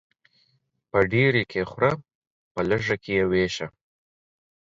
په ډيري کې خوره ، په لږي کې ويشه.